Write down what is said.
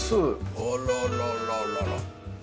あららららら。